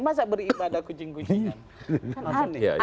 masa beribadah kuncing kuncingan